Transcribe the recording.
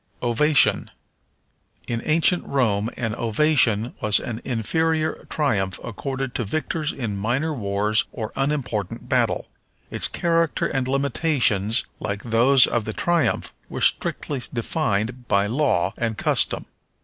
Ovation. In ancient Rome an ovation was an inferior triumph accorded to victors in minor wars or unimportant battle. Its character and limitations, like those of the triumph, were strictly defined by law and custom.